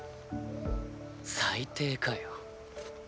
最低かよ。